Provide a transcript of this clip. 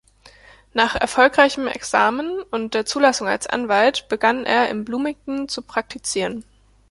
Nach erfolgreichem Examen und der Zulassung als Anwalt begann er in Bloomington zu praktizieren.